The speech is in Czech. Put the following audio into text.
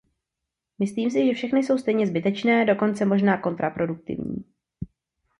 Myslím si, že všechny jsou stejně zbytečné, dokonce možná kontraproduktivní.